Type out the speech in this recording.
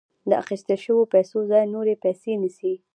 د اخیستل شویو پیسو ځای نورې پیسې نیسي